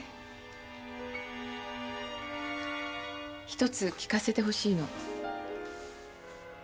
一つ聞かせてほしいの。